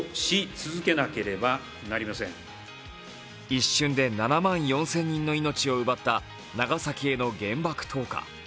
一瞬で７万４０００人の命を奪った長崎への原爆投下。